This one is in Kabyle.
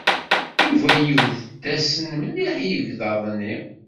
Yuba yebded-asen mliḥ i yegḍaḍ-nni.